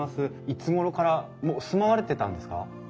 いつごろからもう住まわれてたんですか？